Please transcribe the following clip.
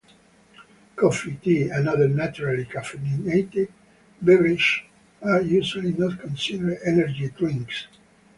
Coffee, tea and other naturally caffeinated beverages are usually not considered energy drinks.